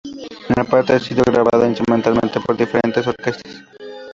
Aparte ha sido grabada instrumentalmente por diferentes orquestas.